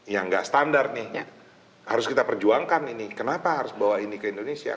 yang nggak standar nih harus kita perjuangkan ini kenapa harus bawa ini ke indonesia